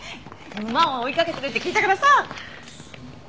馬を追いかけてるって聞いたからさ。